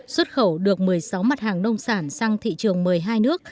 xuất khẩu được một mươi sáu mặt hàng nông sản sang thị trường một mươi hai nước